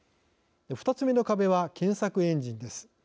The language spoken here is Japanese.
２つ目の壁は、検索エンジンです。